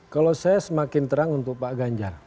kalau saya semakin terang untuk pak ganjar